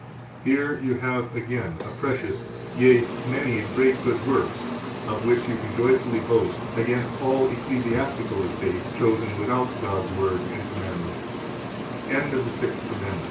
221 Here you have again a precious, yea, many and great good works, of which you can joyfully boast, against all ecclesiastical estates, chosen without God's Word and command